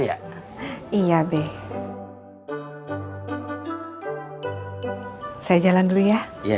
kagak kebetulan ya